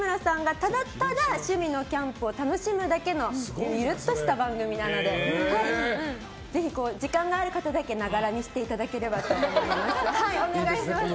ただただ趣味のキャンプを楽しむだけのゆるっとした番組なのでぜひ時間がある方のみながら見していただければと思います。